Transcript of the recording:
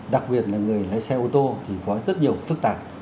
đặc biệt là người lái xe ô tô thì có rất nhiều phức tạp